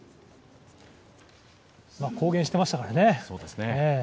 公言していましたからね。